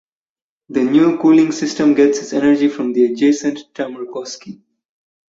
The new cooling system gets its energy from the adjacent Tammerkoski.